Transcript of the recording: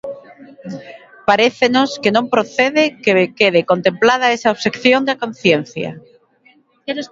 Parécenos que non procede que quede contemplada esa obxección de conciencia.